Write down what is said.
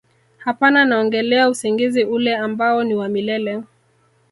hapana naongelea usingizi ule ambao ni wa milele